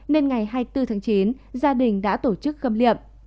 nên ngày hai mươi bốn tháng chín gia đình đã tổ chức khâm liệm